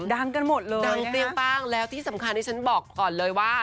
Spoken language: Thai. กันหมดเลยดังเปรี้ยงป้างแล้วที่สำคัญที่ฉันบอกก่อนเลยว่า